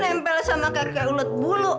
nempel sama kakek ulet bulu